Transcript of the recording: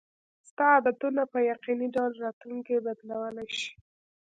ستا عادتونه په یقیني ډول راتلونکی بدلولی شي.